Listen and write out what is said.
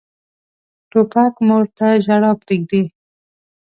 توپک مور ته ژړا پرېږدي.